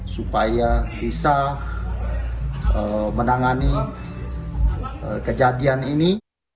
supaya bisa menangani kejadian ini